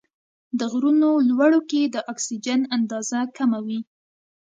د غرونو لوړو کې د اکسیجن اندازه کمه وي.